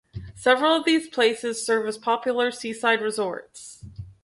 Several of these places serve as popular seaside resorts.